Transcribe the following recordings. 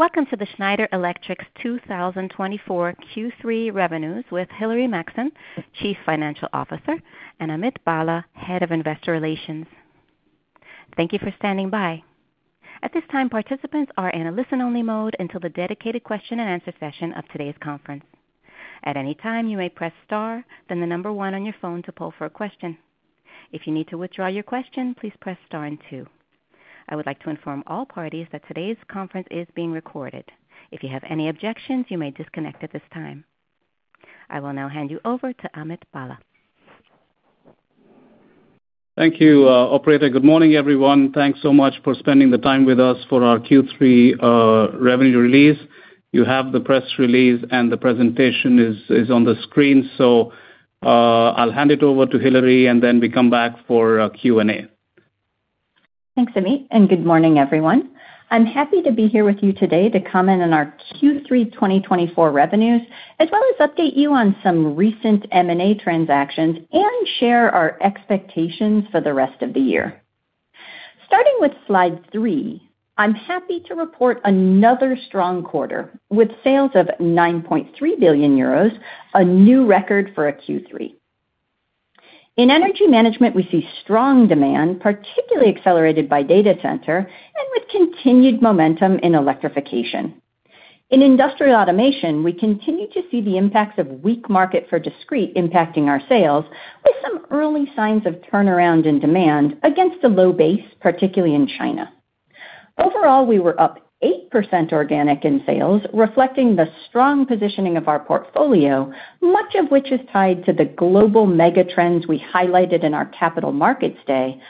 Welcome to the Schneider Electric's 2024 Q3 revenues with Hilary Maxson, Chief Financial Officer, and Amit Bhalla, Head of Investor Relations. Thank you for standing by. At this time, participants are in a listen-only mode until the dedicated question-and-answer session of today's conference. At any time, you may press star, then the number one on your phone to ask for a question. If you need to withdraw your question, please press star and two. I would like to inform all parties that today's conference is being recorded. If you have any objections, you may disconnect at this time. I will now hand you over to Amit Bhalla. Thank you, Operator. Good morning, everyone. Thanks so much for spending the time with us for our Q3 revenue release. You have the press release, and the presentation is on the screen, so I'll hand it over to Hilary, and then we come back for Q&A. Thanks, Amit, and good morning, everyone. I'm happy to be here with you today to comment on our Q3 2024 revenues, as well as update you on some recent M&A transactions and share our expectations for the rest of the year. Starting with slide three, I'm happy to report another strong quarter with sales of 9.3 billion euros, a new record for a Q3. In energy management, we see strong demand, particularly accelerated by data center and with continued momentum in electrification. In industrial automation, we continue to see the impacts of weak market for discrete impacting our sales, with some early signs of turnaround in demand against a low base, particularly in China. Overall, we were up 8% organic in sales, reflecting the strong positioning of our portfolio, much of which is tied to the global mega trends we highlighted in our Capital Markets Day,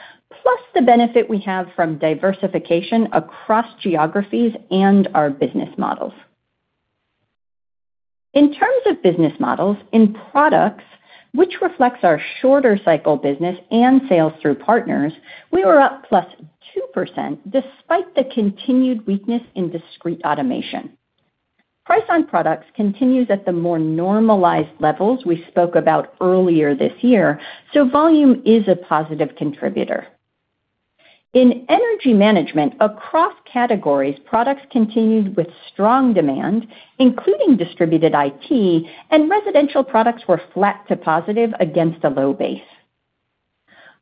plus the benefit we have from diversification across geographies and our business models. In terms of business models, in products, which reflects our shorter cycle business and sales through partners, we were up plus 2% despite the continued weakness in Discrete Automation. Price on products continues at the more normalized levels we spoke about earlier this year, so volume is a positive contributor. In Energy Management, across categories, products continued with strong demand, including Distributed IT, and residential products were flat to positive against a low base.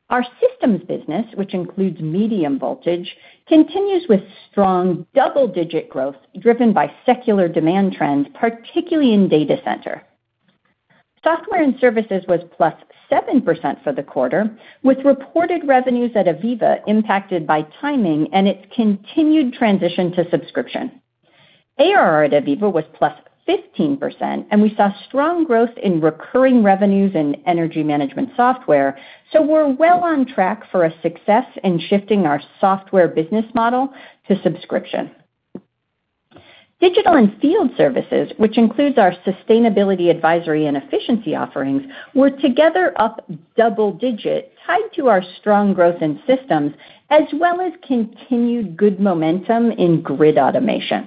Our systems business, which includes Medium Voltage, continues with strong double-digit growth driven by secular demand trends, particularly in Data Center. Software and services was plus 7% for the quarter, with reported revenues at AVEVA impacted by timing and its continued transition to subscription. ARR at AVEVA was plus 15%, and we saw strong growth in recurring revenues in energy management software, so we're well on track for a success in shifting our software business model to subscription. Digital and field services, which includes our sustainability advisory and efficiency offerings, were together up double-digit, tied to our strong growth in systems, as well as continued good momentum in grid automation.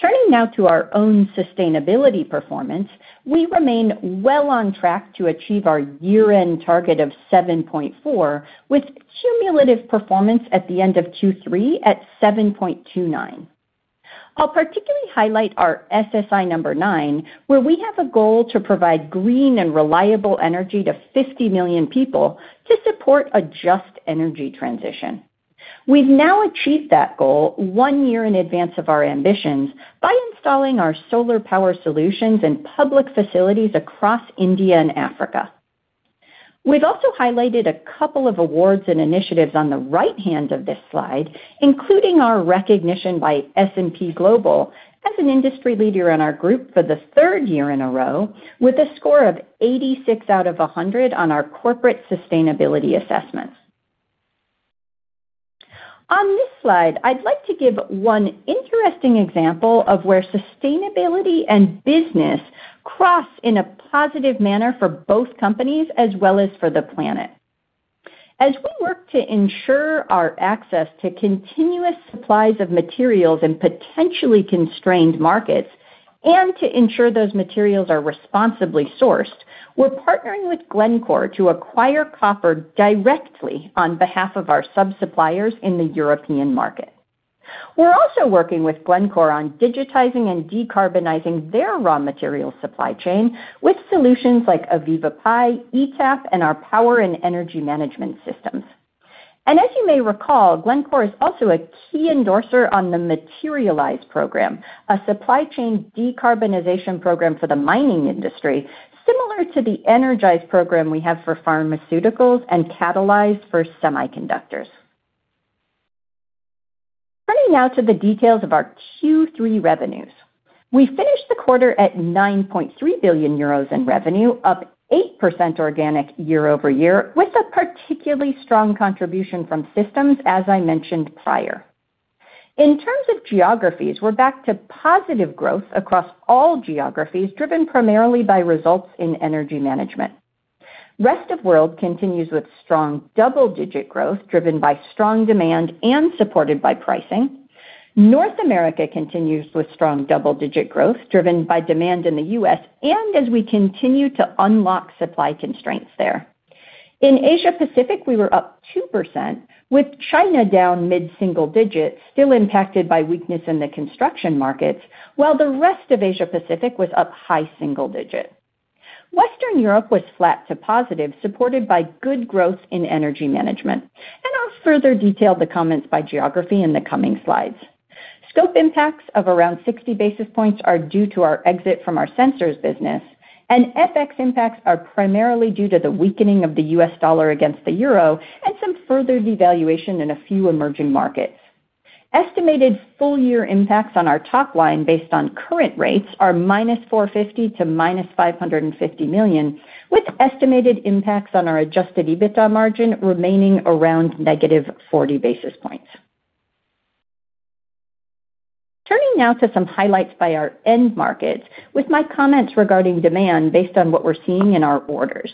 Turning now to our own sustainability performance, we remain well on track to achieve our year-end target of 7.4, with cumulative performance at the end of Q3 at 7.29. I'll particularly highlight our SSI number nine, where we have a goal to provide green and reliable energy to 50 million people to support a just energy transition. We've now achieved that goal one year in advance of our ambitions by installing our solar power solutions and public facilities across India and Africa. We've also highlighted a couple of awards and initiatives on the right hand of this slide, including our recognition by S&P Global as an industry leader in our group for the third year in a row, with a score of 86 out of 100 on our corporate sustainability assessments. On this slide, I'd like to give one interesting example of where sustainability and business cross in a positive manner for both companies as well as for the planet. As we work to ensure our access to continuous supplies of materials in potentially constrained markets and to ensure those materials are responsibly sourced, we're partnering with Glencore to acquire copper directly on behalf of our sub-suppliers in the European market. We're also working with Glencore on digitizing and decarbonizing their raw material supply chain with solutions like AVEVA PI System, ETAP, and our power and energy management systems. As you may recall, Glencore is also a key endorser on the Materialize program, a supply chain decarbonization program for the mining industry, similar to the Energize program we have for pharmaceuticals and Catalyze for semiconductors. Turning now to the details of our Q3 revenues, we finished the quarter at 9.3 billion euros in revenue, up 8% organic year over year, with a particularly strong contribution from systems, as I mentioned prior. In terms of geographies, we're back to positive growth across all geographies, driven primarily by results in energy management. Rest of World continues with strong double-digit growth driven by strong demand and supported by pricing. North America continues with strong double-digit growth driven by demand in the U.S., and as we continue to unlock supply constraints there. In Asia-Pacific, we were up 2%, with China down mid-single digit, still impacted by weakness in the construction markets, while the rest of Asia-Pacific was up high single digit. Western Europe was flat to positive, supported by good growth in energy management, and I'll further detail the comments by geography in the coming slides. Scope impacts of around 60 basis points are due to our exit from our sensors business, and FX impacts are primarily due to the weakening of the U.S. dollar against the euro and some further devaluation in a few emerging markets. Estimated full-year impacts on our top line based on current rates are minus 450 million to minus 550 million, with estimated impacts on our Adjusted EBITDA margin remaining around negative 40 basis points. Turning now to some highlights by our end markets with my comments regarding demand based on what we're seeing in our orders.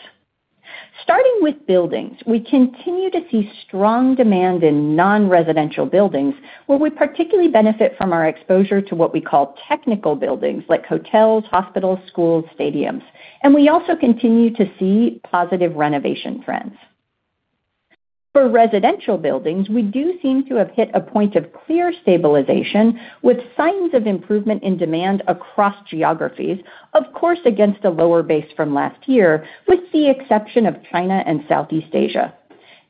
Starting with buildings, we continue to see strong demand in non-residential buildings, where we particularly benefit from our exposure to what we call technical buildings like hotels, hospitals, schools, stadiums, and we also continue to see positive renovation trends. For residential buildings, we do seem to have hit a point of clear stabilization with signs of improvement in demand across geographies, of course against a lower base from last year, with the exception of China and Southeast Asia,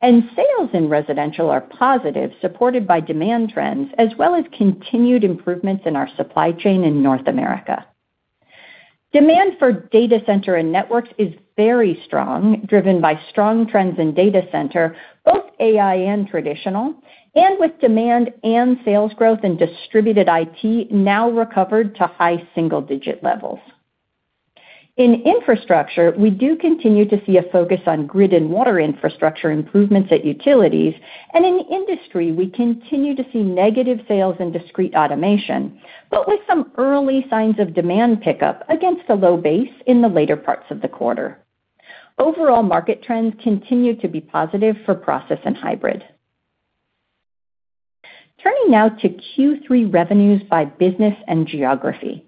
and sales in residential are positive, supported by demand trends, as well as continued improvements in our supply chain in North America. Demand for data center and networks is very strong, driven by strong trends in data center, both AI and traditional, and with demand and sales growth in distributed IT now recovered to high single-digit levels. In infrastructure, we do continue to see a focus on grid and water infrastructure improvements at utilities, and in industry, we continue to see negative sales in discrete automation, but with some early signs of demand pickup against a low base in the later parts of the quarter. Overall, market trends continue to be positive for process and hybrid. Turning now to Q3 revenues by business and geography.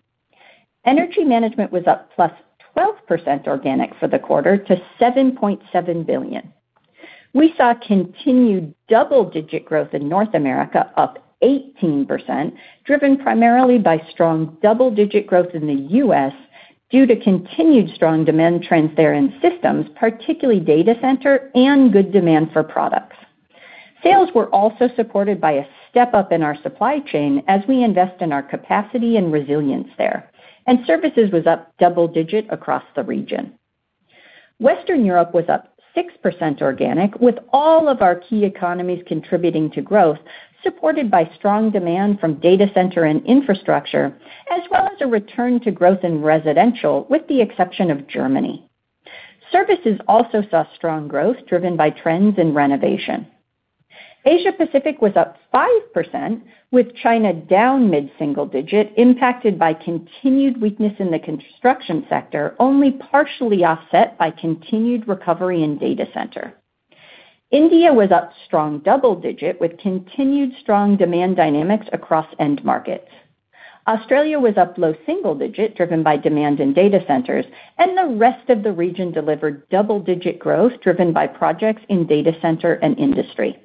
Energy Management was up plus 12% organic for the quarter to 7.7 billion. We saw continued double-digit growth in North America, up 18%, driven primarily by strong double-digit growth in the U.S. due to continued strong demand trends there in systems, particularly data center and good demand for products. Sales were also supported by a step up in our supply chain as we invest in our capacity and resilience there, and services was up double-digit across the region. Western Europe was up 6% organic, with all of our key economies contributing to growth, supported by strong demand from data center and infrastructure, as well as a return to growth in residential, with the exception of Germany. Services also saw strong growth, driven by trends in renovation. Asia-Pacific was up 5%, with China down mid-single digit, impacted by continued weakness in the construction sector, only partially offset by continued recovery in data center. India was up strong double-digit, with continued strong demand dynamics across end markets. Australia was up low single digit, driven by demand in data centers, and the rest of the region delivered double-digit growth, driven by projects in data center and industry.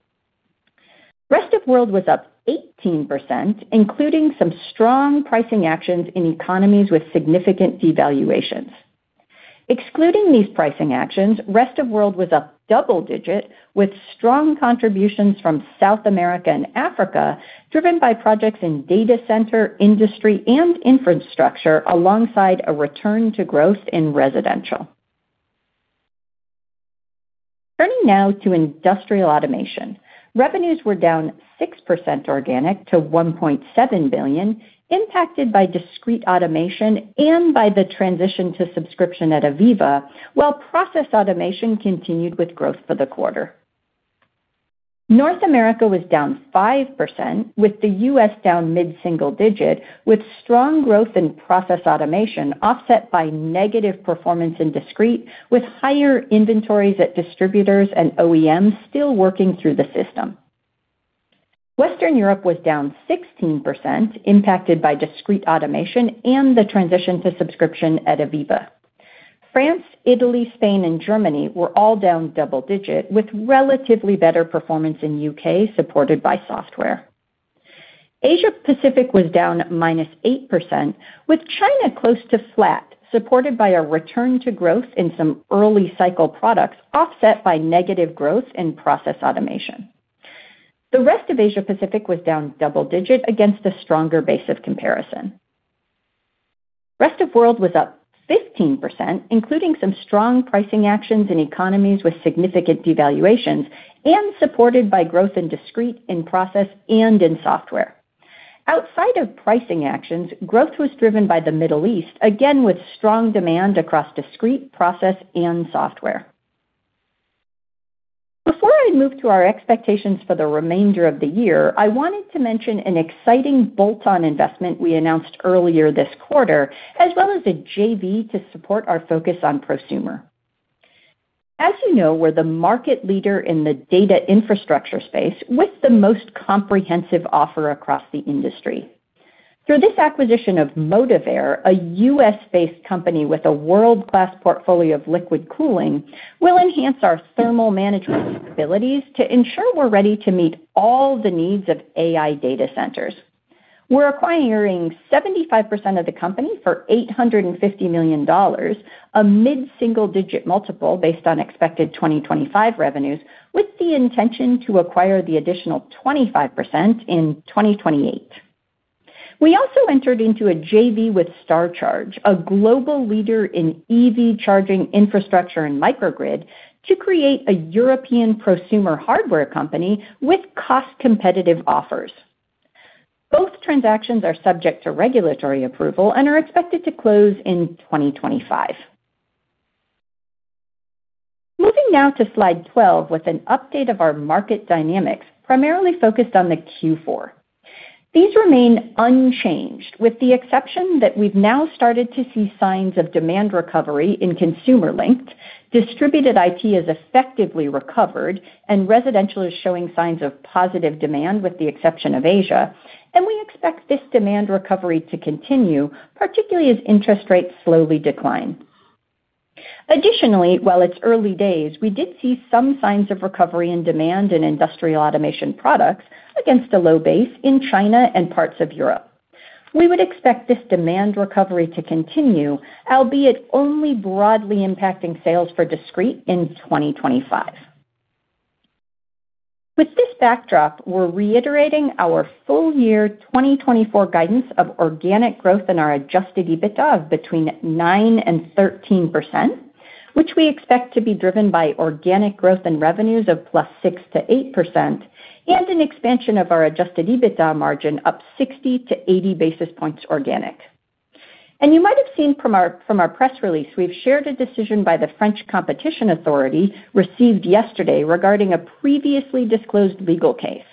Rest of World was up 18%, including some strong pricing actions in economies with significant devaluations. Excluding these pricing actions, Rest of World was up double-digit, with strong contributions from South America and Africa, driven by projects in data center, industry, and infrastructure, alongside a return to growth in residential. Turning now to industrial automation, revenues were down 6% organic to 1.7 billion, impacted by discrete automation and by the transition to subscription at AVEVA, while process automation continued with growth for the quarter. North America was down 5%, with the U.S. down mid-single digit, with strong growth in process automation, offset by negative performance in discrete, with higher inventories at distributors and OEMs still working through the system. Western Europe was down 16%, impacted by discrete automation and the transition to subscription at AVEVA. France, Italy, Spain, and Germany were all down double-digit, with relatively better performance in the U.K., supported by software. Asia-Pacific was down minus 8%, with China close to flat, supported by a return to growth in some early cycle products, offset by negative growth in process automation. The rest of Asia-Pacific was down double-digit against a stronger base of comparison. Rest of World was up 15%, including some strong pricing actions in economies with significant devaluations and supported by growth in discrete, in process, and in software. Outside of pricing actions, growth was driven by the Middle East, again with strong demand across discrete, process, and software. Before I move to our expectations for the remainder of the year, I wanted to mention an exciting bolt-on investment we announced earlier this quarter, as well as a JV to support our focus on Prosumer. As you know, we're the market leader in the data infrastructure space with the most comprehensive offer across the industry. Through this acquisition of Motiveair, a U.S.-based company with a world-class portfolio of liquid cooling, we'll enhance our thermal management capabilities to ensure we're ready to meet all the needs of AI data centers. We're acquiring 75% of the company for $850 million, a mid-single digit multiple based on expected 2025 revenues, with the intention to acquire the additional 25% in 2028. We also entered into a JV with Star Charge, a global leader in EV charging infrastructure and microgrid, to create a European prosumer hardware company with cost-competitive offers. Both transactions are subject to regulatory approval and are expected to close in 2025. Moving now to slide 12 with an update of our market dynamics, primarily focused on the Q4. These remain unchanged, with the exception that we've now started to see signs of demand recovery in consumer-linked distributed IT has effectively recovered, and residential is showing signs of positive demand, with the exception of Asia, and we expect this demand recovery to continue, particularly as interest rates slowly decline. Additionally, while it's early days, we did see some signs of recovery in demand in industrial automation products against a low base in China and parts of Europe. We would expect this demand recovery to continue, albeit only broadly impacting sales for discrete in 2025. With this backdrop, we're reiterating our full-year 2024 guidance of organic growth in our adjusted EBITDA of 9%-13%, which we expect to be driven by organic growth in revenues of 6%-8%, and an expansion of our adjusted EBITDA margin up 60-80 basis points organic. And you might have seen from our press release, we've shared a decision by the French Competition Authority received yesterday regarding a previously disclosed legal case.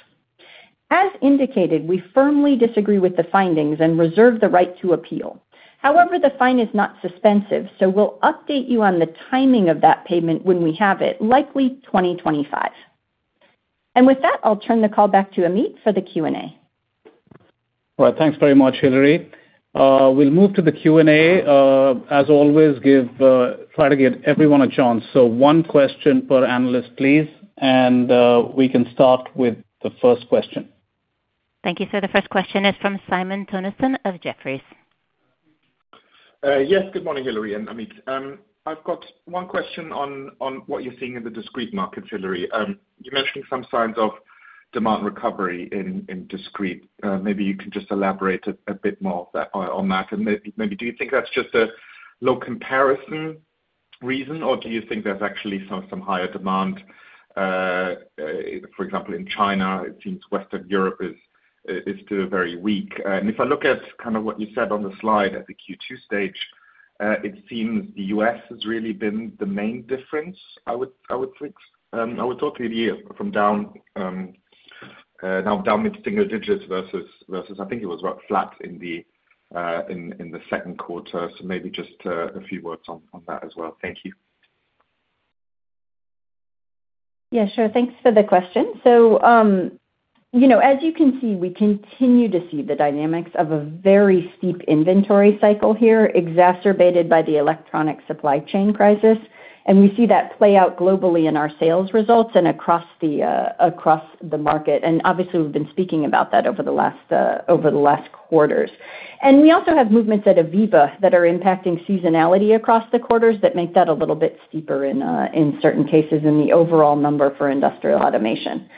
As indicated, we firmly disagree with the findings and reserve the right to appeal. However, the fine is not suspensive, so we'll update you on the timing of that payment when we have it, likely 2025. And with that, I'll turn the call back to Amit for the Q&A. All right, thanks very much, Hilary. We'll move to the Q&A. As always, try to give everyone a chance. So one question per analyst, please, and we can start with the first question. Thank you, sir. The first question is from Simon Toennessen of Jefferies. Yes, good morning, Hilary and Amit. I've got one question on what you're seeing in the discrete markets, Hilary. You mentioned some signs of demand recovery in discrete. Maybe you can just elaborate a bit more on that. And maybe do you think that's just a low comparison reason, or do you think there's actually some higher demand? For example, in China, it seems Western Europe is still very weak. And if I look at kind of what you said on the slide at the Q2 stage, it seems the U.S. has really been the main difference, I would think. I would talk to you from down mid-single digits versus I think it was flat in the second quarter, so maybe just a few words on that as well. Thank you. Yeah, sure. Thanks for the question, so as you can see, we continue to see the dynamics of a very steep inventory cycle here, exacerbated by the electronic supply chain crisis. And we see that play out globally in our sales results and across the market, and obviously, we've been speaking about that over the last quarters, and we also have movements at AVEVA that are impacting seasonality across the quarters that make that a little bit steeper in certain cases in the overall number for industrial automation.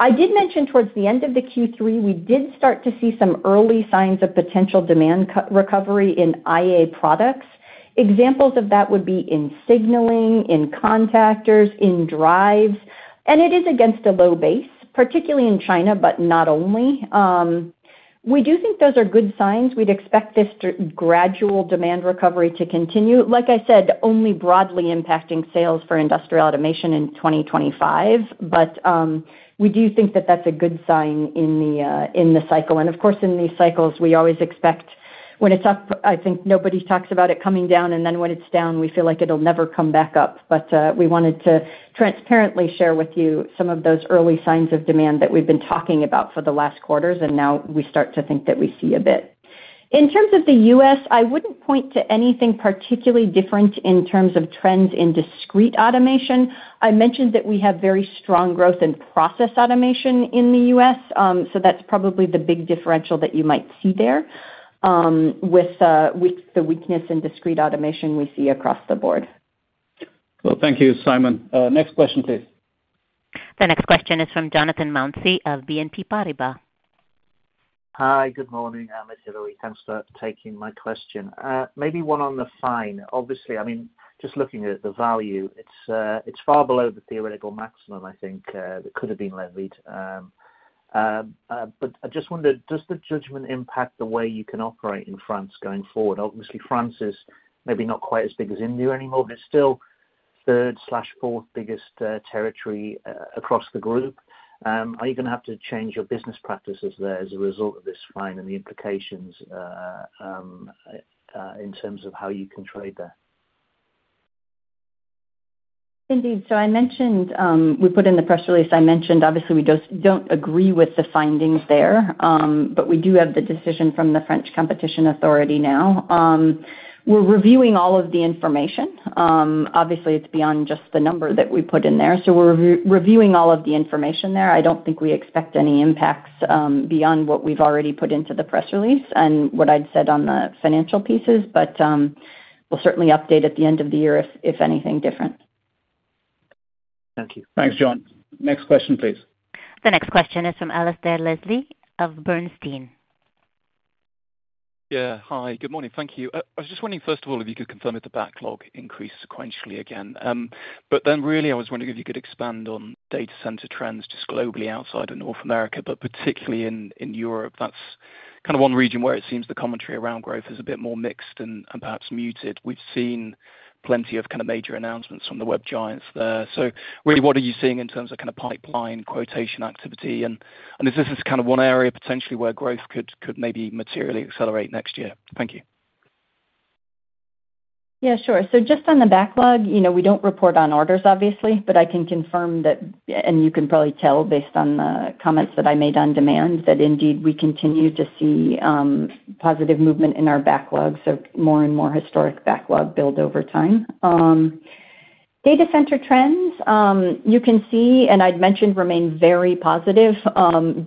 I did mention towards the end of the Q3, we did start to see some early signs of potential demand recovery in IA products. Examples of that would be in signaling, in contactors, in drives. And it is against a low base, particularly in China, but not only. We do think those are good signs. We'd expect this gradual demand recovery to continue. Like I said, only broadly impacting sales for industrial automation in 2025, but we do think that that's a good sign in the cycle. And of course, in these cycles, we always expect when it's up, I think nobody talks about it coming down, and then when it's down, we feel like it'll never come back up. But we wanted to transparently share with you some of those early signs of demand that we've been talking about for the last quarters, and now we start to think that we see a bit. In terms of the U.S., I wouldn't point to anything particularly different in terms of trends in discrete automation. I mentioned that we have very strong growth in process automation in the U.S., so that's probably the big differential that you might see there with the weakness in discrete automation we see across the board. Thank you, Simon. Next question, please. The next question is from Jonathan Mounsey of BNP Paribas. Hi, good morning. I'm Hilary. Thanks for taking my question. Maybe one on the fine. Obviously, I mean, just looking at the value, it's far below the theoretical maximum, I think, that could have been levied. But I just wondered, does the judgment impact the way you can operate in France going forward? Obviously, France is maybe not quite as big as India anymore. It's still third slash fourth biggest territory across the group. Are you going to have to change your business practices there as a result of this fine and the implications in terms of how you can trade there? Indeed. So I mentioned we put in the press release. I mentioned, obviously, we don't agree with the findings there, but we do have the decision from the French Competition Authority now. We're reviewing all of the information. Obviously, it's beyond just the number that we put in there. So we're reviewing all of the information there. I don't think we expect any impacts beyond what we've already put into the press release and what I'd said on the financial pieces, but we'll certainly update at the end of the year if anything different. Thank you. Thanks, John. Next question, please. The next question is from Alasdair Leslie of Bernstein. Yeah, hi. Good morning. Thank you. I was just wondering, first of all, if you could confirm if the backlog increased sequentially again. But then really, I was wondering if you could expand on data center trends just globally outside of North America, but particularly in Europe. That's kind of one region where it seems the commentary around growth is a bit more mixed and perhaps muted. We've seen plenty of kind of major announcements from the web giants there. So really, what are you seeing in terms of kind of pipeline quotation activity? And is this kind of one area potentially where growth could maybe materially accelerate next year? Thank you. Yeah, sure. So just on the backlog, we don't report on orders, obviously, but I can confirm that, and you can probably tell based on the comments that I made on demand, that indeed we continue to see positive movement in our backlog, so more and more historic backlog build over time. Data center trends, you can see, and I'd mentioned remain very positive,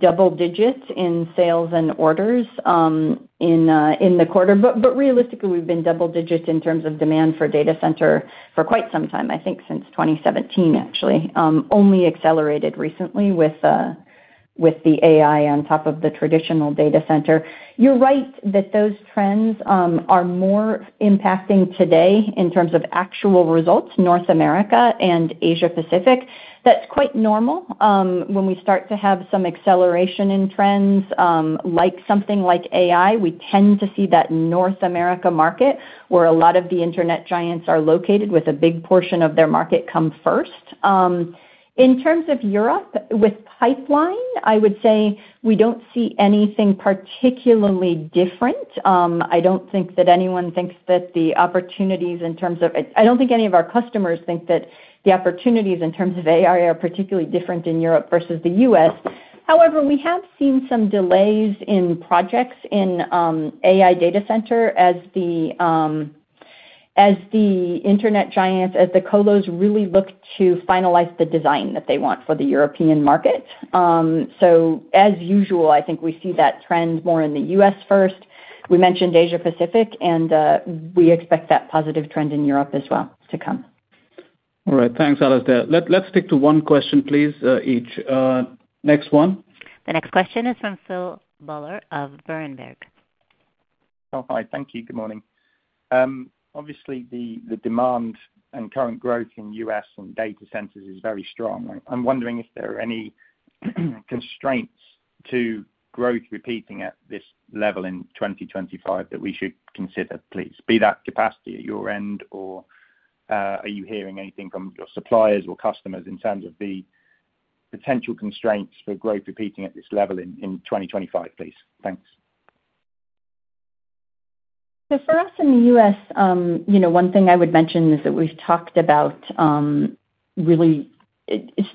double digits in sales and orders in the quarter. But realistically, we've been double digits in terms of demand for data center for quite some time, I think since 2017, actually, only accelerated recently with the AI on top of the traditional data center. You're right that those trends are more impacting today in terms of actual results, North America and Asia-Pacific. That's quite normal. When we start to have some acceleration in trends like something like AI, we tend to see that North America market where a lot of the internet giants are located with a big portion of their market come first. In terms of Europe, with pipeline, I would say we don't see anything particularly different. I don't think any of our customers think that the opportunities in terms of AI are particularly different in Europe versus the U.S. However, we have seen some delays in projects in AI data center as the internet giants, as the colos really look to finalize the design that they want for the European market. So as usual, I think we see that trend more in the U.S. first. We mentioned Asia-Pacific, and we expect that positive trend in Europe as well to come. All right. Thanks, Alasdair. Let's stick to one question, please, each. Next one. The next question is from Philip Buller of Berenberg. Oh, hi. Thank you. Good morning. Obviously, the demand and current growth in the U.S. and data centers is very strong. I'm wondering if there are any constraints to growth repeating at this level in 2025 that we should consider, please. Be that capacity at your end, or are you hearing anything from your suppliers or customers in terms of the potential constraints for growth repeating at this level in 2025, please? Thanks. For us in the U.S., one thing I would mention is that we've talked about really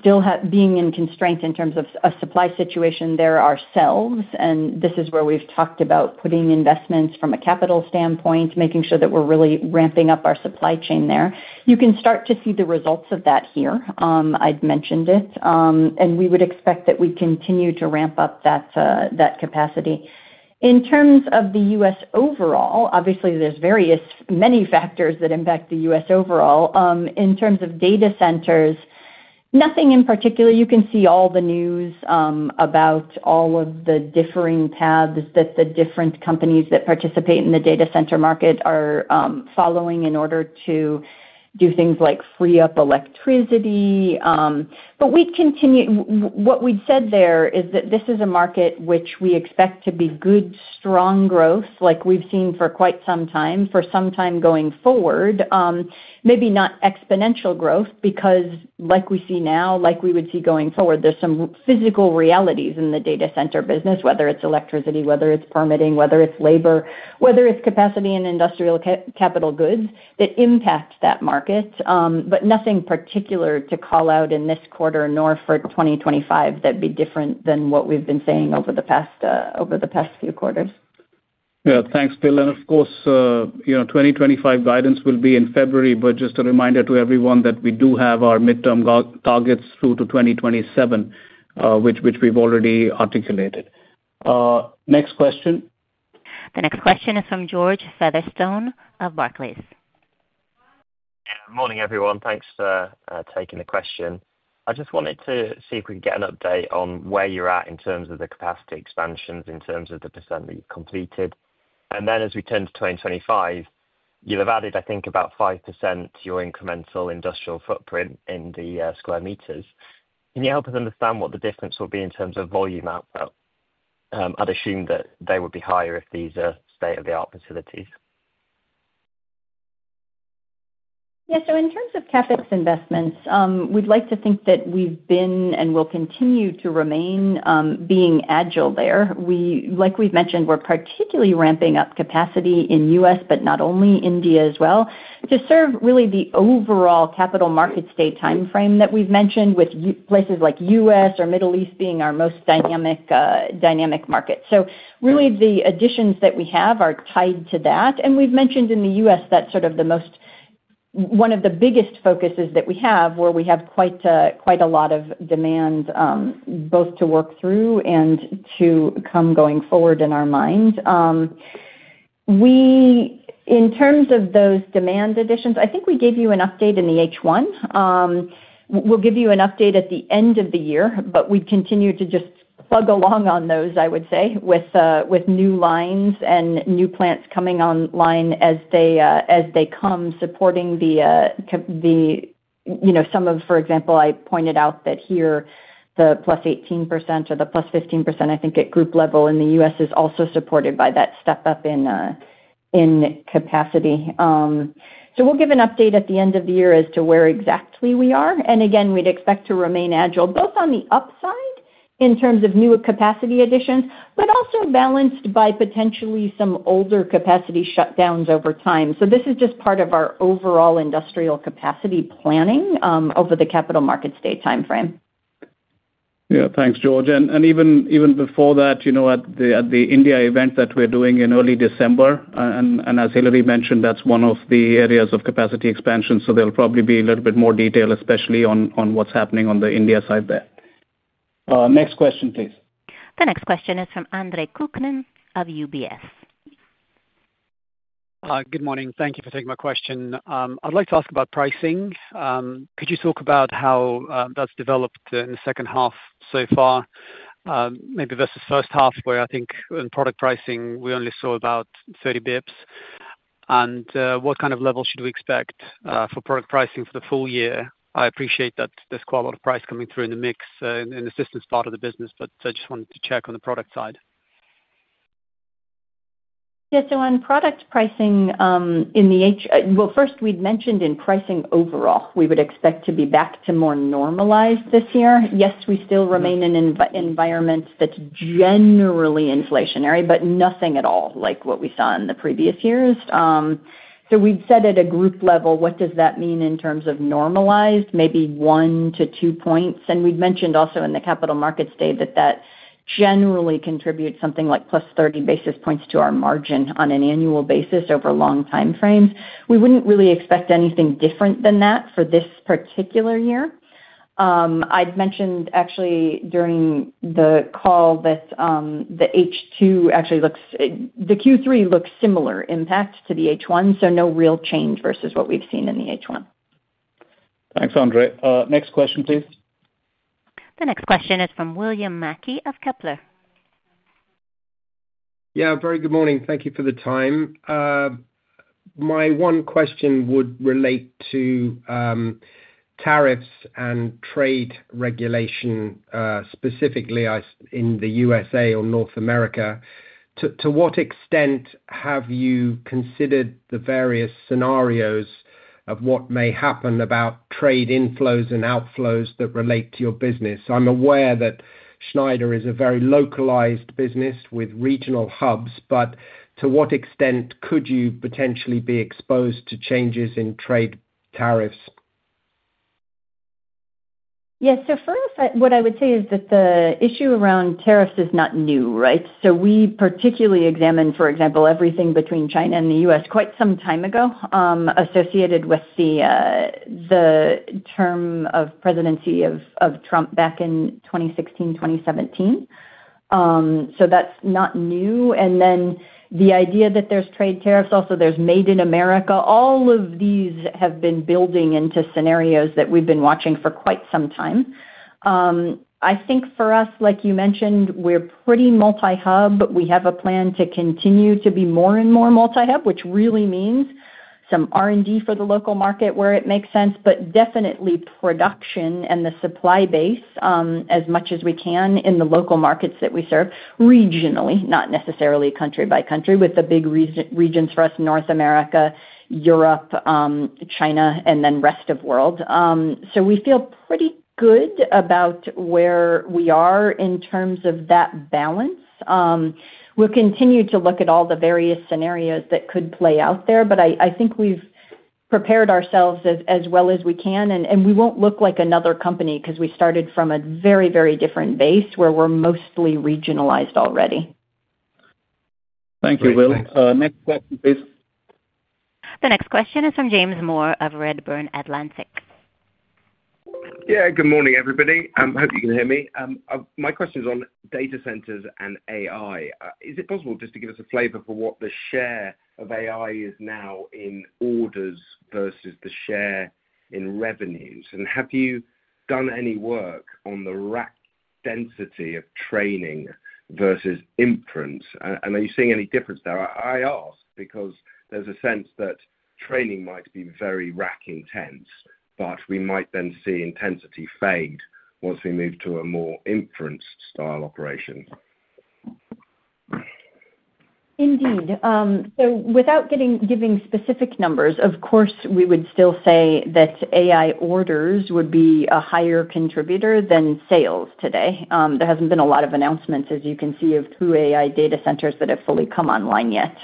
still being in constraints in terms of a supply situation there ourselves. This is where we've talked about putting investments from a capital standpoint, making sure that we're really ramping up our supply chain there. You can start to see the results of that here. I'd mentioned it, and we would expect that we continue to ramp up that capacity. In terms of the U.S. overall, obviously, there's many factors that impact the U.S. overall. In terms of data centers, nothing in particular. You can see all the news about all of the differing paths that the different companies that participate in the data center market are following in order to do things like free up electricity, but what we'd said there is that this is a market which we expect to be good, strong growth, like we've seen for quite some time, for some time going forward. Maybe not exponential growth because, like we see now, like we would see going forward, there's some physical realities in the data center business, whether it's electricity, whether it's permitting, whether it's labor, whether it's capacity and industrial capital goods that impact that market. But nothing particular to call out in this quarter nor for 2025 that'd be different than what we've been saying over the past few quarters. Yeah, thanks, Phil. And of course, 2025 guidance will be in February, but just a reminder to everyone that we do have our midterm targets through to 2027, which we've already articulated. Next question. The next question is from George Featherstone of Barclays. Morning, everyone. Thanks for taking the question. I just wanted to see if we could get an update on where you're at in terms of the capacity expansions, in terms of the percent that you've completed. And then as we turn to 2025, you've added, I think, about 5% to your incremental industrial footprint in the square meters. Can you help us understand what the difference will be in terms of volume output? I'd assume that they would be higher if these are state-of-the-art facilities. Yeah, so in terms of CapEx investments, we'd like to think that we've been and will continue to remain being agile there. Like we've mentioned, we're particularly ramping up capacity in U.S., but not only India as well, to serve really the overall capital markets stated timeframe that we've mentioned, with places like U.S. or Middle East being our most dynamic market. So really, the additions that we have are tied to that. We've mentioned in the U.S. that sort of the most one of the biggest focuses that we have where we have quite a lot of demand both to work through and to come going forward in our minds. In terms of those demand additions, I think we gave you an update in the H1. We'll give you an update at the end of the year, but we'd continue to just plug along on those, I would say, with new lines and new plants coming online as they come, supporting some of, for example, I pointed out that here, the +18% or the +15%, I think at group level in the U.S. is also supported by that step up in capacity. We'll give an update at the end of the year as to where exactly we are. And again, we'd expect to remain agile, both on the upside in terms of new capacity additions, but also balanced by potentially some older capacity shutdowns over time. So this is just part of our overall industrial capacity planning over the Capital Markets Day timeframe. Yeah, thanks, George. And even before that, at the India event that we're doing in early December, and as Hilary mentioned, that's one of the areas of capacity expansion. So there'll probably be a little bit more detail, especially on what's happening on the India side there. Next question, please. The next question is from Andre Kukhnin of UBS. Good morning. Thank you for taking my question. I'd like to ask about pricing. Could you talk about how that's developed in the second half so far, maybe versus first half, where I think in product pricing, we only saw about 30 basis points? What kind of level should we expect for product pricing for the full year? I appreciate that there's quite a lot of price coming through in the mix in the systems part of the business, but I just wanted to check on the product side. Yeah, so on product pricing in the, well, first, we'd mentioned in pricing overall, we would expect to be back to more normalized this year. Yes, we still remain in an environment that's generally inflationary, but nothing at all like what we saw in the previous years. So we'd said at a group level, what does that mean in terms of normalized, maybe one to two points? And we'd mentioned also in the Capital Markets Day that that generally contributes something like plus 30 basis points to our margin on an annual basis over long timeframes. We wouldn't really expect anything different than that for this particular year. I'd mentioned actually during the call that the H2 actually looks, the Q3 looks similar impact to the H1, so no real change versus what we've seen in the H1. Thanks, Andre. Next question, please. The next question is from William Mackie of Kepler. Yeah, very good morning. Thank you for the time. My one question would relate to tariffs and trade regulation specifically in the USA or North America. To what extent have you considered the various scenarios of what may happen about trade inflows and outflows that relate to your business? I'm aware that Schneider is a very localized business with regional hubs, but to what extent could you potentially be exposed to changes in trade tariffs? Yeah, so first, what I would say is that the issue around tariffs is not new, right? So we particularly examined, for example, everything between China and the U.S. quite some time ago associated with the term of presidency of Trump back in 2016, 2017. So that's not new. And then the idea that there's trade tariffs, also there's made in America. All of these have been building into scenarios that we've been watching for quite some time. I think for us, like you mentioned, we're pretty multi-hub. We have a plan to continue to be more and more multi-hub, which really means some R&D for the local market where it makes sense, but definitely production and the supply base as much as we can in the local markets that we serve, regionally, not necessarily country by country, with the big regions for us, North America, Europe, China, and then Rest of World. So we feel pretty good about where we are in terms of that balance. We'll continue to look at all the various scenarios that could play out there, but I think we've prepared ourselves as well as we can. And we won't look like another company because we started from a very, very different base where we're mostly regionalized already. Thank you, Will. Next question, please. The next question is from James Moore of Redburn Atlantic. Yeah, good morning, everybody. I hope you can hear me. My question is on data centers and AI. Is it possible just to give us a flavor for what the share of AI is now in orders versus the share in revenues? And have you done any work on the rack density of training versus inference? And are you seeing any difference there? I ask because there's a sense that training might be very rack intense, but we might then see intensity fade once we move to a more inference-style operation. Indeed. So without giving specific numbers, of course, we would still say that AI orders would be a higher contributor than sales today. There hasn't been a lot of announcements, as you can see, of true AI data centers that have fully come online yet.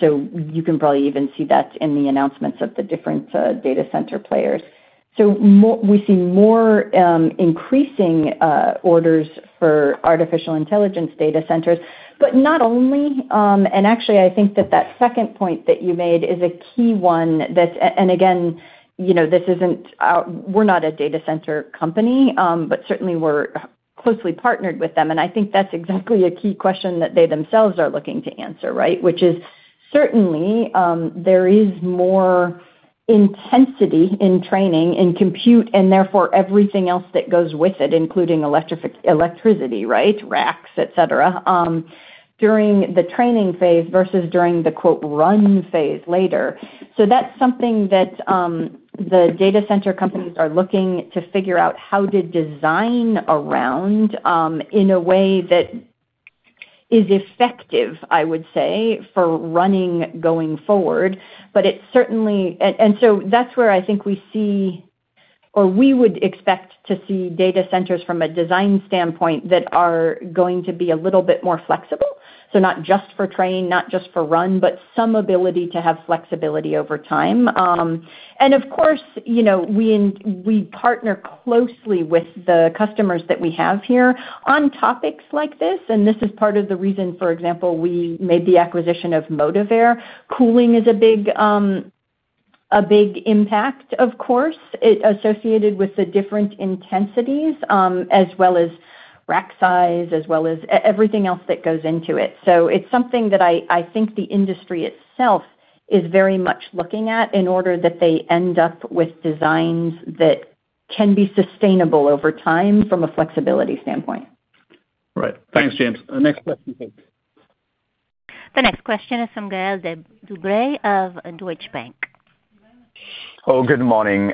So you can probably even see that in the announcements of the different data center players. So we see more increasing orders for artificial intelligence data centers, but not only. And actually, I think that that second point that you made is a key one that's, and again, this isn't. We're not a data center company, but certainly we're closely partnered with them. I think that's exactly a key question that they themselves are looking to answer, right? Which is, certainly, there is more intensity in training and compute and therefore everything else that goes with it, including electricity, right, racks, etc., during the training phase versus during the "run" phase later. So that's something that the data center companies are looking to figure out how to design around in a way that is effective, I would say, for running going forward. But it certainly, and so that's where I think we see or we would expect to see data centers from a design standpoint that are going to be a little bit more flexible. So not just for train, not just for run, but some ability to have flexibility over time. And of course, we partner closely with the customers that we have here on topics like this. And this is part of the reason, for example, we made the acquisition of Motiveair. Cooling is a big impact, of course, associated with the different intensities as well as rack size, as well as everything else that goes into it. So it's something that I think the industry itself is very much looking at in order that they end up with designs that can be sustainable over time from a flexibility standpoint. Right. Thanks, James. Next question, please. The next question is from Gaël de Bray of Deutsche Bank. Oh, good morning.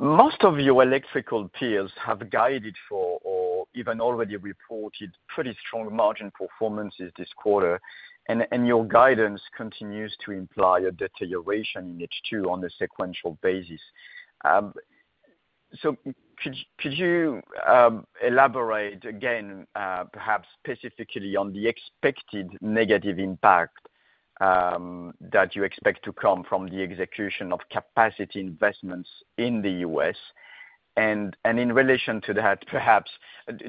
Most of your electrical peers have guided for or even already reported pretty strong margin performances this quarter. And your guidance continues to imply a deterioration in H2 on a sequential basis. So could you elaborate again, perhaps specifically on the expected negative impact that you expect to come from the execution of capacity investments in the U.S.? And in relation to that, perhaps,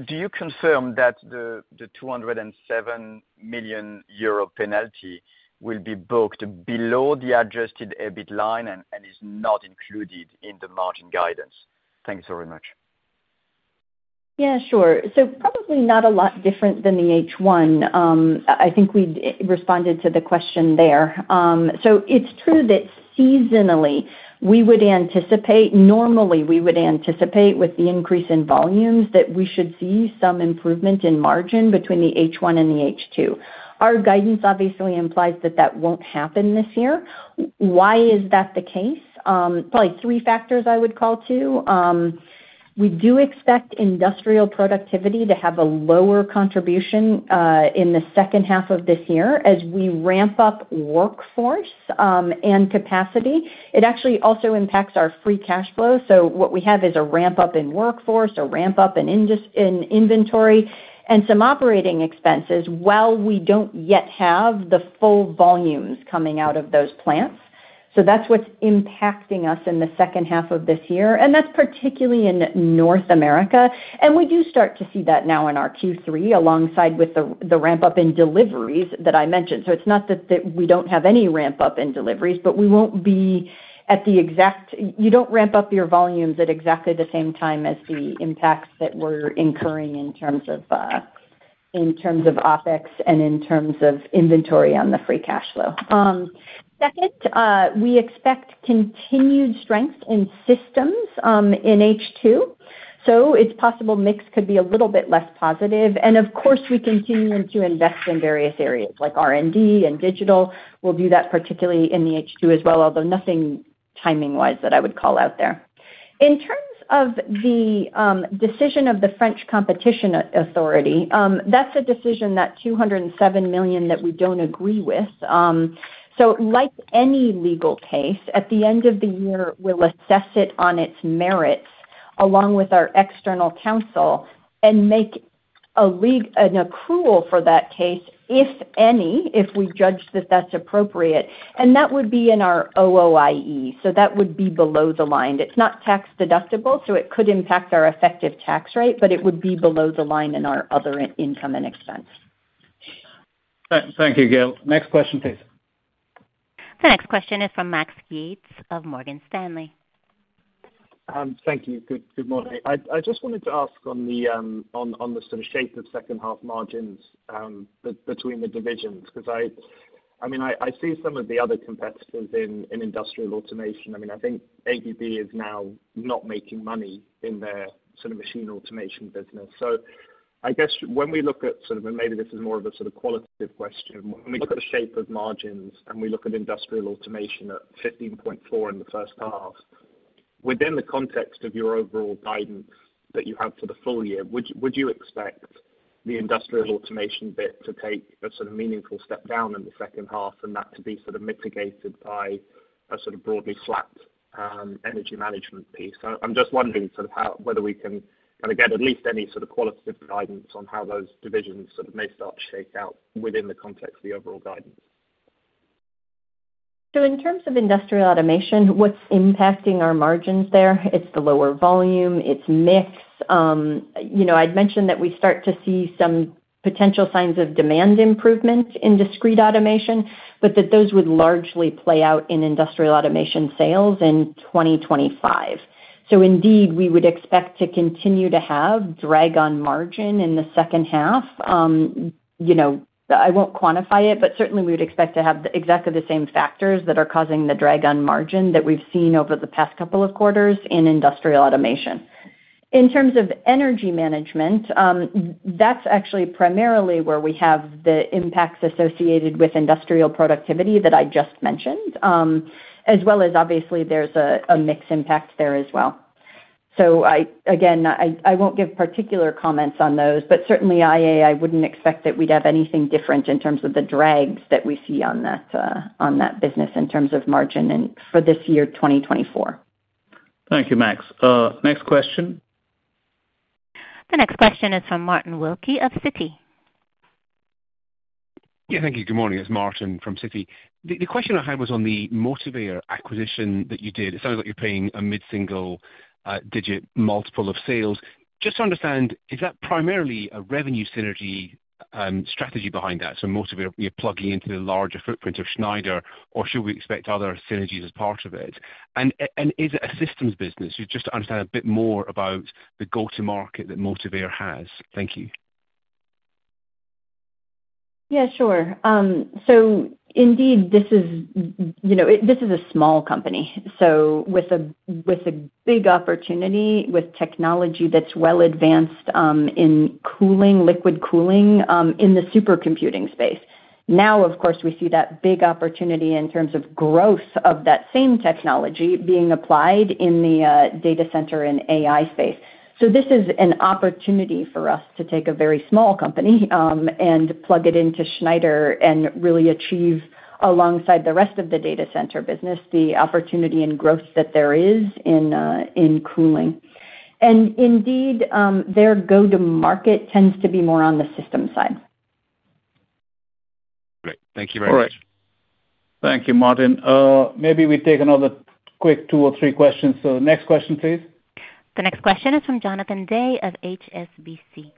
do you confirm that the 207 million euro penalty will be booked below the adjusted EBIT line and is not included in the margin guidance? Thanks very much. Yeah, sure. So probably not a lot different than the H1. I think we responded to the question there. So it's true that seasonally, we would anticipate normally, we would anticipate with the increase in volumes that we should see some improvement in margin between the H1 and the H2. Our guidance obviously implies that that won't happen this year. Why is that the case? Probably three factors I would call to. We do expect industrial productivity to have a lower contribution in the second half of this year as we ramp up workforce and capacity. It actually also impacts our free cash flow. So what we have is a ramp up in workforce, a ramp up in inventory, and some operating expenses while we don't yet have the full volumes coming out of those plants. So that's what's impacting us in the second half of this year. And that's particularly in North America. And we do start to see that now in our Q3 alongside with the ramp up in deliveries that I mentioned. So it's not that we don't have any ramp up in deliveries, but we won't be at the exact you don't ramp up your volumes at exactly the same time as the impacts that we're incurring in terms of OpEx and in terms of inventory on the free cash flow. Second, we expect continued strength in systems in H2. So it's possible mix could be a little bit less positive. Of course, we continue to invest in various areas like R&D and digital. We'll do that particularly in the H2 as well, although nothing timing-wise that I would call out there. In terms of the decision of the French Competition Authority, that's a decision that 207 million that we don't agree with. So like any legal case, at the end of the year, we'll assess it on its merits along with our external counsel and make an accrual for that case, if any, if we judge that that's appropriate. That would be in our OOIE. So that would be below the line. It's not tax deductible, so it could impact our effective tax rate, but it would be below the line in our other income and expense. Thank you, Gaël. Next question, please. The next question is from Max Yates of Morgan Stanley. Thank you. Good morning. I just wanted to ask on the sort of shape of second-half margins between the divisions because, I mean, I see some of the other competitors in industrial automation. I mean, I think ABB is now not making money in their sort of machine automation business. So I guess when we look at sort of, and maybe this is more of a sort of qualitative question, when we look at the shape of margins and we look at industrial automation at 15.4% in the first half, within the context of your overall guidance that you have for the full year, would you expect the industrial automation bit to take a sort of meaningful step down in the second half and that to be sort of mitigated by a sort of broadly flat energy management piece? I'm just wondering sort of whether we can kind of get at least any sort of qualitative guidance on how those divisions sort of may start to shake out within the context of the overall guidance? So in terms of industrial automation, what's impacting our margins there? It's the lower volume. It's mix. I'd mentioned that we start to see some potential signs of demand improvement in discrete automation, but that those would largely play out in industrial automation sales in 2025. So indeed, we would expect to continue to have drag on margin in the second half. I won't quantify it, but certainly we would expect to have exactly the same factors that are causing the drag on margin that we've seen over the past couple of quarters in industrial automation. In terms of energy management, that's actually primarily where we have the impacts associated with industrial productivity that I just mentioned, as well as obviously there's a mixed impact there as well. So again, I won't give particular comments on those, but certainly I wouldn't expect that we'd have anything different in terms of the drags that we see on that business in terms of margin for this year, 2024. Thank you, Max. Next question. The next question is from Martin Wilkie of Citi. Yeah, thank you. Good morning. It's Martin from Citi. The question I had was on the Motiveair acquisition that you did. It sounds like you're paying a mid-single-digit multiple of sales. Just to understand, is that primarily a revenue synergy strategy behind that? So Motiveair, you're plugging into the larger footprint of Schneider, or should we expect other synergies as part of it? Is it a systems business? Just to understand a bit more about the go-to-market that Motiveair has. Thank you. Yeah, sure. So indeed, this is a small company. So with a big opportunity with technology that's well advanced in cooling, liquid cooling in the supercomputing space. Now, of course, we see that big opportunity in terms of growth of that same technology being applied in the data center and AI space. So this is an opportunity for us to take a very small company and plug it into Schneider and really achieve alongside the rest of the data center business the opportunity and growth that there is in cooling. And indeed, their go-to-market tends to be more on the systems side. Great. Thank you very much. All right. Thank you, Martin. Maybe we take another quick two or three questions. So the next question, please. The next question is from Jonathan Day of HSBC.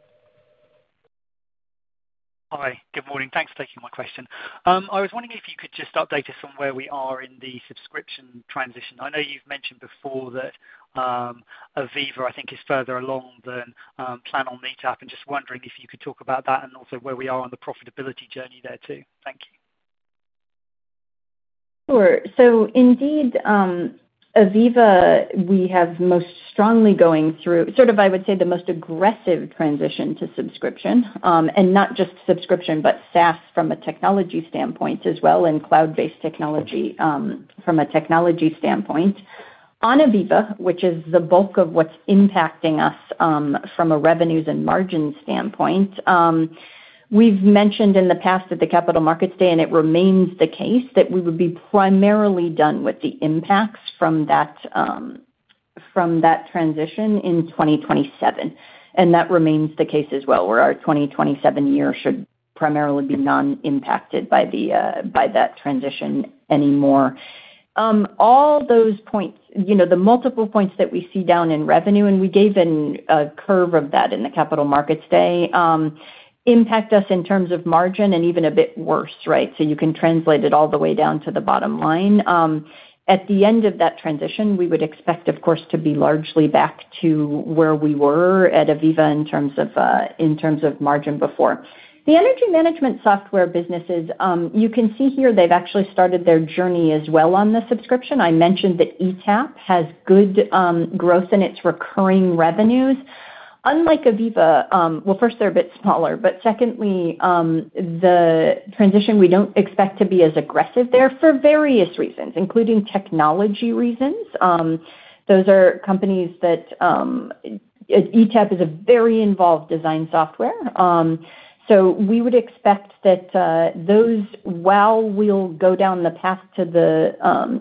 Hi. Good morning. Thanks for taking my question. I was wondering if you could just update us on where we are in the subscription transition. I know you've mentioned before that AVEVA, I think, is further along than Planon, and just wondering if you could talk about that and also where we are on the profitability journey there too. Thank you. Sure. So indeed, AVEVA, we have most strongly going through sort of, I would say, the most aggressive transition to subscription, and not just subscription, but SaaS from a technology standpoint as well and cloud-based technology from a technology standpoint. On AVEVA, which is the bulk of what's impacting us from a revenues and margin standpoint, we've mentioned in the past at the Capital Markets Day, and it remains the case, that we would be primarily done with the impacts from that transition in 2027. That remains the case as well, where our 2027 year should primarily be non-impacted by that transition anymore. All those points, the multiple points that we see down in revenue, and we gave a curve of that in the Capital Markets Day, impact us in terms of margin and even a bit worse, right? You can translate it all the way down to the bottom line. At the end of that transition, we would expect, of course, to be largely back to where we were at AVEVA in terms of margin before. The energy management software businesses, you can see here they've actually started their journey as well on the subscription. I mentioned that ETAP has good growth in its recurring revenues. Unlike AVEVA, well, first, they're a bit smaller. But secondly, the transition, we don't expect to be as aggressive there for various reasons, including technology reasons. Those are companies that ETAP is a very involved design software. So we would expect that those, while we'll go down the path to the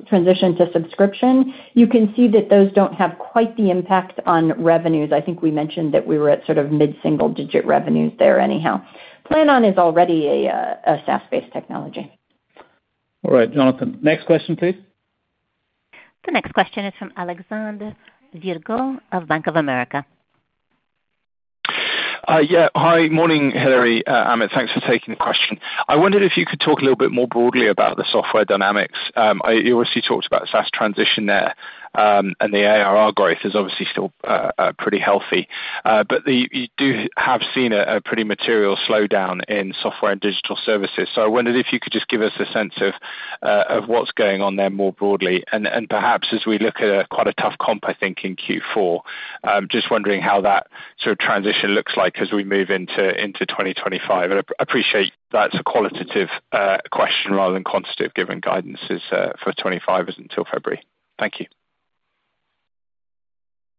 transition to subscription, you can see that those don't have quite the impact on revenues. I think we mentioned that we were at sort of mid-single-digit revenues there anyhow. Planon is already a SaaS-based technology. All right, Jonathan. Next question, please. The next question is from Alexander Virgo of Bank of America. Yeah. Hi. Morning, Hilary Maxson. Thanks for taking the question. I wondered if you could talk a little bit more broadly about the software dynamics. You obviously talked about SaaS transition there, and the ARR growth is obviously still pretty healthy. But you do have seen a pretty material slowdown in software and digital services. So I wondered if you could just give us a sense of what's going on there more broadly. And perhaps as we look at quite a tough comp, I think, in Q4, just wondering how that sort of transition looks like as we move into 2025. And I appreciate that's a qualitative question rather than quantitative given guidance is for 2025 isn't until February. Thank you.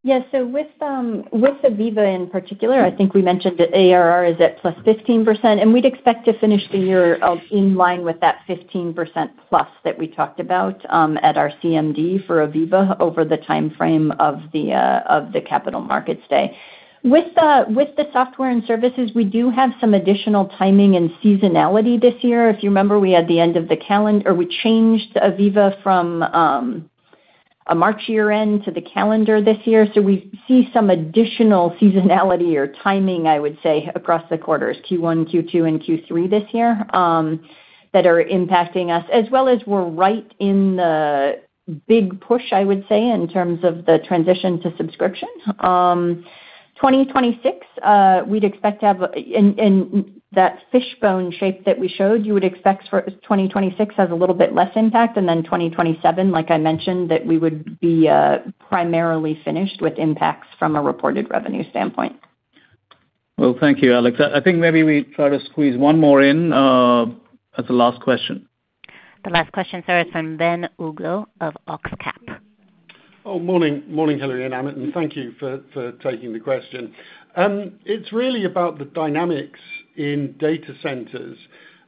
Yeah. So with AVEVA in particular, I think we mentioned that ARR is at plus 15%. We'd expect to finish the year in line with that 15% plus that we talked about at our CMD for AVEVA over the timeframe of the Capital Markets Day. With the software and services, we do have some additional timing and seasonality this year. If you remember, we had the end of the calendar or we changed AVEVA from a March year-end to the calendar this year. We see some additional seasonality or timing, I would say, across the quarters, Q1, Q2, and Q3 this year that are impacting us, as well as we're right in the big push, I would say, in terms of the transition to subscription. 2026, we'd expect to have in that fishbone shape that we showed, you would expect 2026 has a little bit less impact, and then 2027, like I mentioned, that we would be primarily finished with impacts from a reported revenue standpoint. Thank you, Alex. I think maybe we try to squeeze one more in as a last question. The last question, sir, is from Ben Uglow of OxCap. Oh, morning. Morning, Hilary and Amit. And thank you for taking the question. It's really about the dynamics in data centers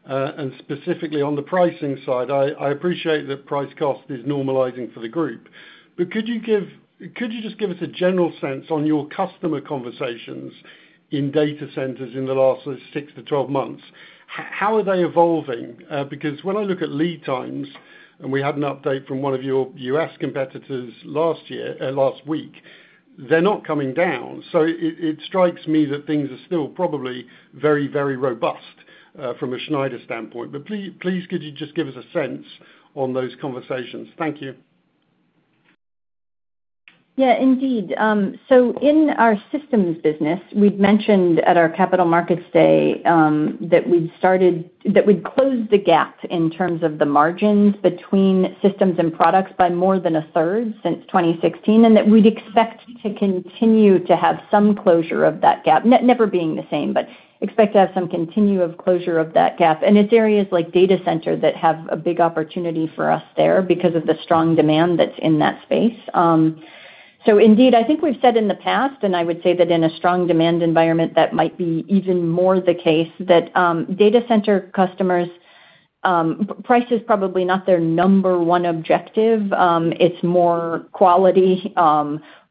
and specifically on the pricing side. I appreciate that price cost is normalizing for the group. But could you just give us a general sense on your customer conversations in data centers in the last six to 12 months? How are they evolving? Because when I look at lead times, and we had an update from one of your U.S. competitors last week, they're not coming down. So it strikes me that things are still probably very, very robust from a Schneider standpoint. But please, could you just give us a sense on those conversations? Thank you. Yeah, indeed. So in our systems business, we'd mentioned at our Capital Markets Day that we'd closed the gap in terms of the margins between systems and products by more than a third since 2016, and that we'd expect to continue to have some closure of that gap, never being the same, but expect to have some continued closure of that gap, and it's areas like data center that have a big opportunity for us there because of the strong demand that's in that space. So indeed, I think we've said in the past, and I would say that in a strong demand environment, that might be even more the case, that data center customers, price is probably not their number one objective. It's more quality,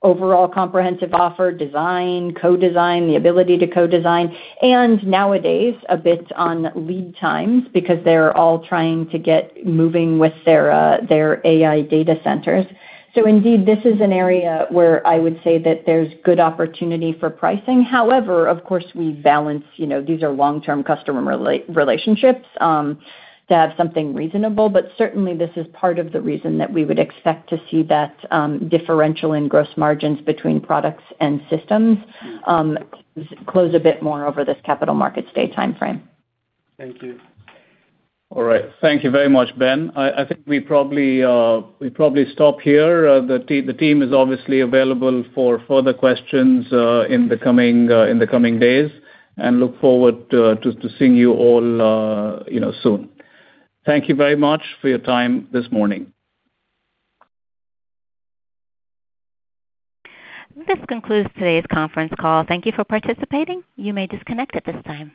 overall comprehensive offer, design, co-design, the ability to co-design, and nowadays a bit on lead times because they're all trying to get moving with their AI data centers. So indeed, this is an area where I would say that there's good opportunity for pricing. However, of course, we balance these are long-term customer relationships to have something reasonable. But certainly, this is part of the reason that we would expect to see that differential in gross margins between products and systems close a bit more over this Capital Markets Day timeframe. Thank you. All right. Thank you very much, Ben. I think we probably stop here. The team is obviously available for further questions in the coming days and look forward to seeing you all soon. Thank you very much for your time this morning. This concludes today's conference call. Thank you for participating. You may disconnect at this time.